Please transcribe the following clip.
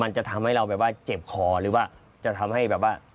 มันจะทำให้เราเจ็บคอหรือว่าจะทำให้แบบว่า